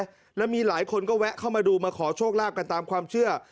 แล้วมีหลายคนก็แวะเข้ามาดูมาขอโชคลาภกันตามความเชื่อ